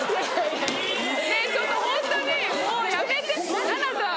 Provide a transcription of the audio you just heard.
ねぇちょっとホントにもうやめて奈々さん。